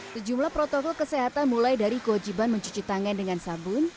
sejumlah protokol kesehatan mulai dari kewajiban mencuci tangan dengan sabun